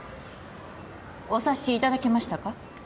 お察しいただけましたか？